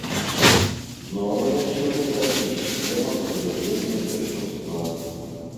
Новая сёлета і схема правядзення першынства.